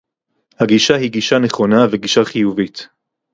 הגישה היא גישה נכונה וגישה חיובית